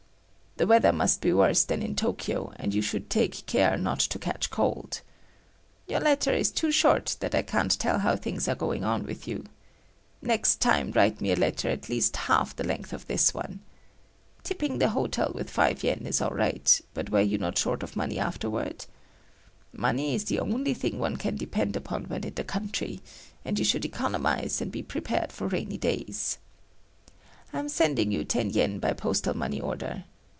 The weather must be worse than in Tokyo, and you should take care not to catch cold. Your letter is too short that I can't tell how things are going on with you. Next time write me a letter at least half the length of this one. Tipping the hotel with five yen is all right, but were you not short of money afterward? Money is the only thing one can depend upon when in the country and you should economize and be prepared for rainy days. I'm sending you ten yen by postal money order.